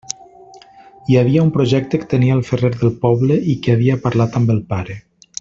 Hi havia un projecte que tenia el ferrer del poble i que havia parlat amb el pare.